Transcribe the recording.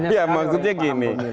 ya maksudnya gini